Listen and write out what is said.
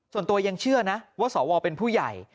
ส่วนตัวยังเชื่อนะว่าสวเป็นผู้ใหญ่